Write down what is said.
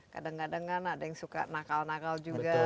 kadang kadang kan ada yang suka nakal nakal juga